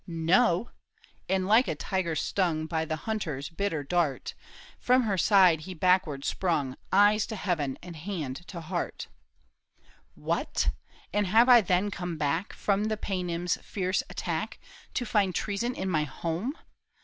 " No !" and like a tiger stung By the hunter's bitter dart. From her side he backward sprung, Eyes to heaven and hand to heart. THE TOWER OF BOUVERIE. " What ! and have I then come back From the Paynim's fierce attack To find treason in my home